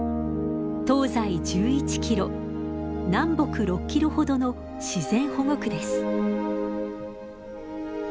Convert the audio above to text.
東西１１キロ南北６キロほどの自然保護区です。